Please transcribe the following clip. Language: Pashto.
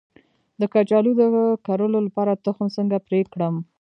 د کچالو د کرلو لپاره تخم څنګه پرې کړم؟